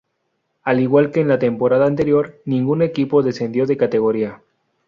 Al igual que en la temporada anterior, ningún equipo descendió de categoría.